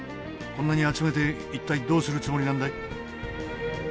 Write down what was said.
こんなに集めて一体どうするつもりなんだい？